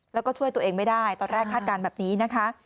แล้วก็ช่วยตัวเองไม่ได้ตอนแรกคาดการณ์แบบนี้นะคะ